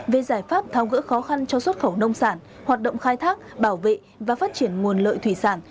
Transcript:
về giải pháp tháo gỡ khó khăn cho xuất khẩu nông sản hoạt động khai thác bảo vệ và phát triển nguồn lợi thủy sản